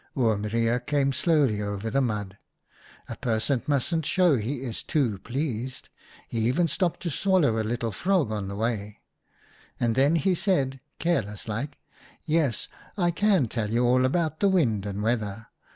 " Oom Reijer came slowly over the mud — a person mustn't show he is too pleased : he even stopped to swallow a little frog on the way, and then he said, carelesslike, ' Yes, I can tell you all about the wind and weather.